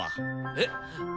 えっ！？